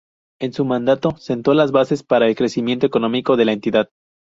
En su mandato sentó las bases para el crecimiento económico de la entidad.